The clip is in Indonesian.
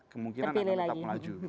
kemungkinan akan tetap maju